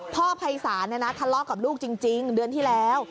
พ่อภัยศาลเนี่ยนะทะเลาะกับลูกจริงจริงเดือนที่แล้ว